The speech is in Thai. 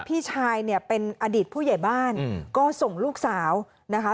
พี่ชายเนี่ยเป็นอดีตผู้ใหญ่บ้านก็ส่งลูกสาวนะคะ